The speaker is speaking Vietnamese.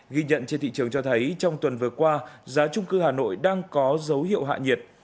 ghi nhận trên thị trường cho thấy trong tuần vừa qua giá trung cư hà nội đang có dấu hiệu hạ nhiệt